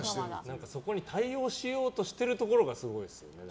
そこに対応しようとしてるところがすごいですもんね。